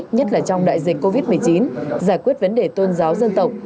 nhất là trong đại dịch covid một mươi chín giải quyết vấn đề tôn giáo dân tộc